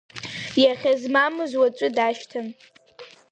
Иахьа змамыз уаҵәы дашьҭан…